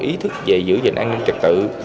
ý thức về giữ gìn an ninh trật tự